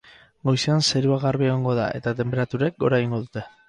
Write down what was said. Goizean zerua garbi egongo da, eta tenperaturek gora egingo dute.